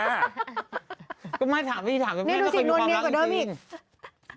ชิคกี้พายฟังนึกว่าจะติดหนวดเนียนกว่าเดิมอีก